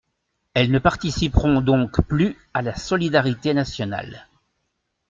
Elles ne participeront donc plus à la solidarité nationale.